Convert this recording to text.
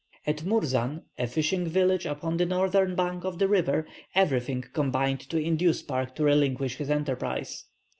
At Mourzan, a fishing village upon the northern bank of the river, everything combined to induce Park to relinquish his enterprise.